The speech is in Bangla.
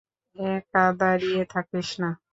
একা দাঁড়িয়ে থাকিস না।